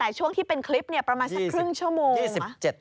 แต่ช่วงที่เป็นคลิปประมาณสักครึ่งชั่วโมง